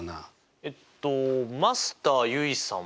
えっとマスター結衣さん